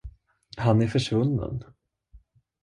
Han är försvunnen.